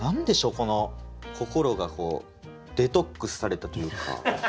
この心がこうデトックスされたというか。